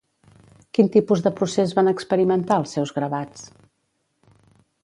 Quin tipus de procés van experimentar els seus gravats?